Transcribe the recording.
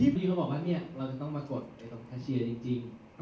ปีเขาบอกว่าเราจะต้องมากดไปตรงแคชเชียร์จริง